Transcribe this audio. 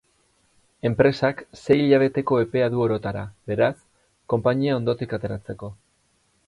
Enpresak sei hilabeteko epea du orotara, beraz, konpainia hondotik ateratzeko.